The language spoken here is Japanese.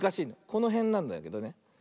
このへんなんだけどね。